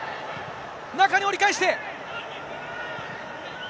中に折り返して。